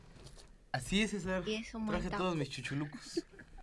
イエスマイダーク